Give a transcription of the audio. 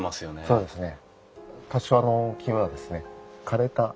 そうですね。